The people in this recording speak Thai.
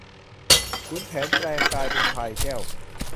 ขุนแผนแผลงแปลงกายเป็นพลายแก้ว